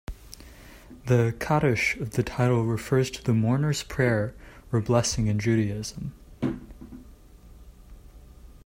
The "Kaddish" of the title refers to the mourner's prayer or blessing in Judaism.